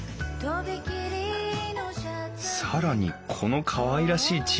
更にこのかわいらしい